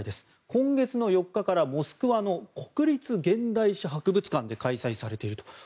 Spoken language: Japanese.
今月４日からモスクワの国立現代史博物館で開催されているという。